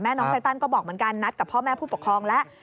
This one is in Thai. น้องไตตันก็บอกเหมือนกันนัดกับพ่อแม่ผู้ปกครองแล้ว